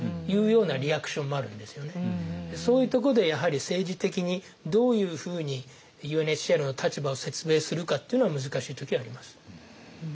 そういうとこでやはり政治的にどういうふうにＵＮＨＣＲの立場を説明するかっていうのは難しい時あります。